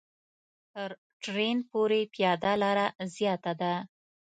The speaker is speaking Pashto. تر ټرېن پورې پیاده لاره زیاته ده.